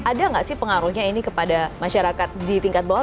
ada nggak sih pengaruhnya ini kepada masyarakat di tingkat bawah